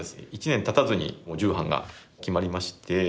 １年たたずにもう重版が決まりまして。